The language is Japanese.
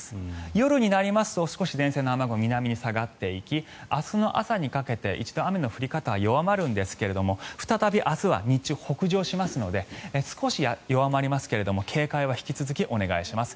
夜になりますと少し前線の雨雲が南に下がっていき明日の朝にかけて一度、雨の降り方は弱まるんですが再び明日は日中、北上しますので少し弱まりますが警戒は引き続きお願いします。